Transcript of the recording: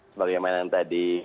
sebagai yang tadi